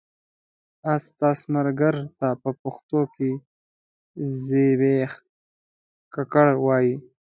استثمارګر ته په پښتو کې زبېښاکګر وايي.